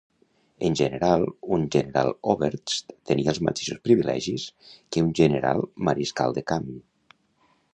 En general, un Generaloberst tenia els mateixos privilegis que un general mariscal de camp.